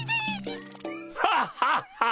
ハッハッハ！